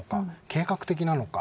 計画的なのか。